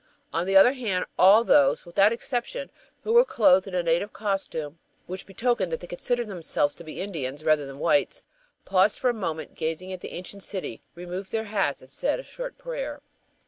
On the other hand, all those, without exception, who were clothed in a native costume, which betokened that they considered themselves to be Indians rather than whites, paused for a moment, gazing at the ancient city, removed their hats, and said a short prayer.